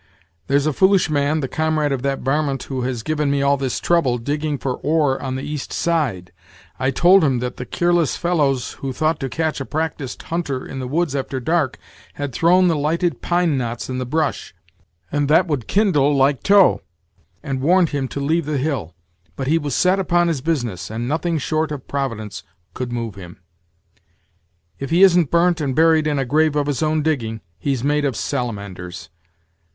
There's a foolish man, the comrade of that varmint who has given me all this trouble, digging for ore on the east side. I told him that the kearless fellows, who thought to catch a practysed hunter in the woods after dark, had thrown the lighted pine knots in the brush, and that 'twould kindle like tow, and warned him to leave the hill. But he was set upon his business, and nothing short of Providence could move him, if he isn't burnt and buried in a grave of his own digging, he's made of salamanders.